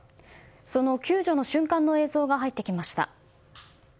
その救助の瞬間の映像が入ってきました。